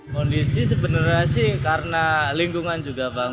kondisi sebenarnya sih karena lingkungan juga bang